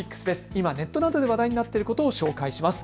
今、ネットなどで話題になっていることを紹介します。